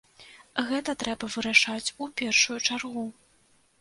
Гэта трэба вырашаць у першую чаргу.